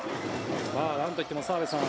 なんといっても澤部さん